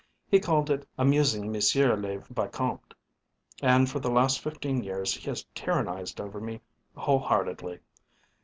He called it 'amusing Monsieur le Vicomte,' and for the last fifteen years he has tyrannised over me wholeheartedly."